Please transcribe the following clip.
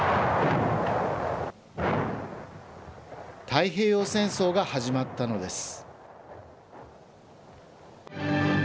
太平洋戦争が始まったのです。